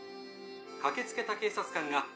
駆けつけた警察官が車内を